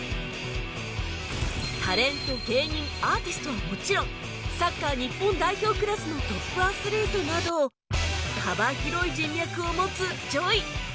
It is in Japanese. タレント芸人アーティストはもちろんサッカー日本代表クラスのトップアスリートなど幅広い人脈を持つ ＪＯＹ